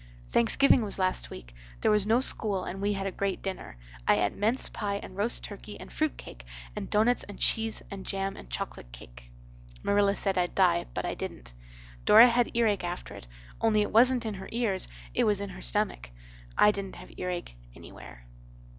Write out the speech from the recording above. Thanksgiving was last week. There was no school and we had a great dinner. I et mince pie and rost turkey and frut cake and donuts and cheese and jam and choklut cake. Marilla said I'd die but I dident. Dora had earake after it, only it wasent in her ears it was in her stummick. I dident have earake anywhere.